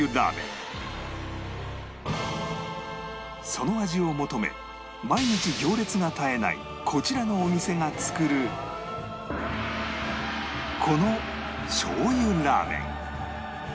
その味を求め毎日行列が絶えないこちらのお店が作るこのしょう油ラーメン